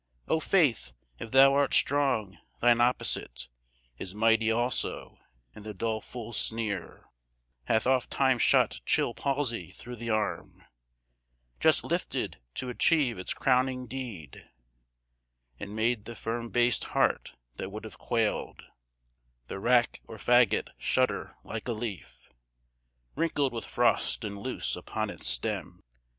O Faith! if thou art strong, thine opposite Is mighty also, and the dull fool's sneer Hath ofttimes shot chill palsy through the arm, Just lifted to achieve its crowning deed, And made the firm based heart, that would have quailed The rack or fagot, shudder like a leaf Wrinkled with frost, and loose upon its stem.